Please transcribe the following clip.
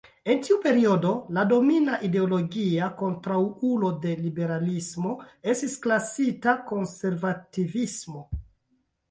En tiu periodo, la domina ideologia kontraŭulo de liberalismo estis klasika konservativismo.